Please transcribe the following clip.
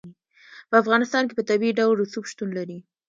په افغانستان کې په طبیعي ډول رسوب شتون لري.